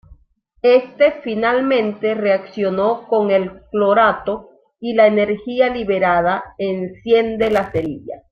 Este finalmente reacciona con el clorato y la energía liberada enciende la cerilla.